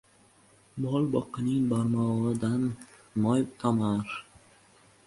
Mol boqqanning barmog'idan moy tomar.